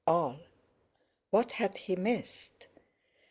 All! What had he missed?